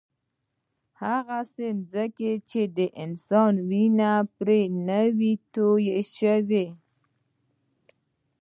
هغسې ځمکه چې د انسان وینه پرې نه وي تویه شوې.